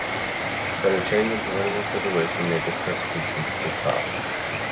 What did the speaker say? But a change in the political situation made this persecution to stop.